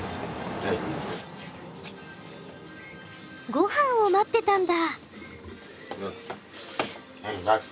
ごはんを待ってたんだ。